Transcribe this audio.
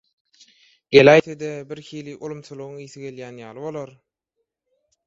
Geläýse-de birhili ulumsylygyň ysy gelýän ýaly bolar.